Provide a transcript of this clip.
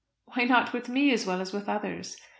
"Why not with me as well as with others?"